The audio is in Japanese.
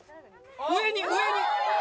上に上に！